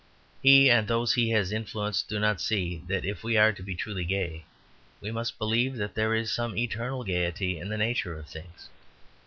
He and those he has influenced do not see that if we are to be truly gay, we must believe that there is some eternal gaiety in the nature of things.